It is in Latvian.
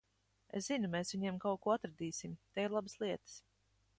Es zinu, mēs viņiem kaut ko atradīsim. Te ir labas lietas.